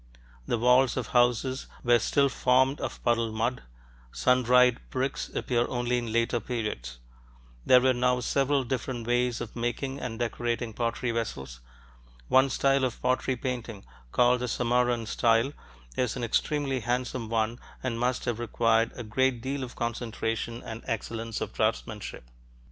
The walls of houses were still formed of puddled mud; sun dried bricks appear only in later periods. There were now several different ways of making and decorating pottery vessels. One style of pottery painting, called the Samarran style, is an extremely handsome one and must have required a great deal of concentration and excellence of draftsmanship.